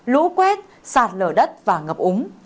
lũ quét sạt lở đất và ngập úng